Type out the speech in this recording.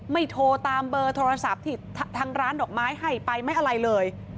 โทรตามเบอร์โทรศัพท์ที่ทางร้านดอกไม้ให้ไปไม่อะไรเลย